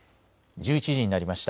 １１時になりました。